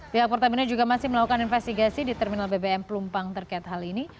pihak pertamina juga masih melakukan investigasi di terminal bbm pelumpang terkait hal ini